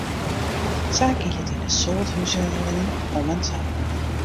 Sa gie it yn in soad húshâldingen om en ta.